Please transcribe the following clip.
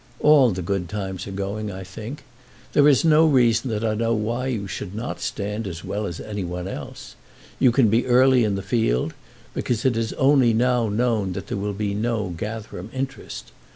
All the good times are going, I think. There is no reason that I know why you should not stand as well as any one else. You can be early in the field; because it is only now known that there will be no Gatherum interest.